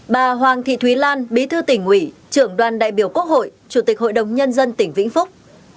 ba bà hoàng thị thúy lan bí thư tỉnh ủy trưởng đoàn đại biểu quốc hội chủ tịch hội đồng nhân dân tỉnh vĩnh phúc